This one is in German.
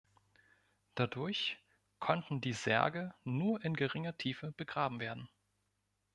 Dadurch konnten die Särge nur in geringer Tiefe begraben werden.